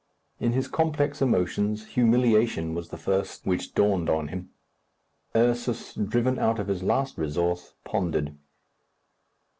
In his complex emotions, humiliation was the first which dawned on him. Ursus, driven out of his last resource, pondered.